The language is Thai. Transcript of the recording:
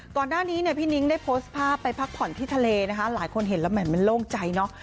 ก่อนหน้านี้เนี่ยพี่นิ้งได้โพสต์ภาพไปพักผ่อนที่ทะเลนะคะหลายคนเห็นแล้วแหม่มันโล่งใจเนอะ